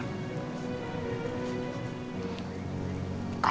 e r tak pinter